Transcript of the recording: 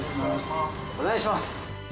お願いします！